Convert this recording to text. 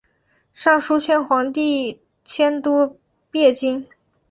上书劝皇帝迁都汴京。